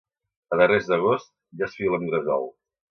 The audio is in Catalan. A darrers d'agost ja es fila amb gresol.